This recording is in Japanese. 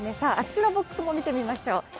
あっちのボックスも見てみましょう。